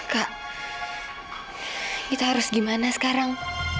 kak kita harus gimana sekarang